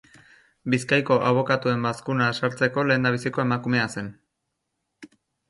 Bizkaiko Abokatuen Bazkuna sartzeko lehendabiziko emakumea zen.